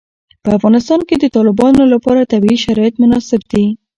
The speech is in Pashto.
په افغانستان کې د تالابونو لپاره طبیعي شرایط مناسب دي.